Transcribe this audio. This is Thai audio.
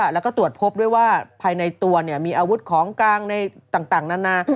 แล้วก็ตรวจพบด้วยว่าภายในตัวมีอาวุธของกลางในต่างนานา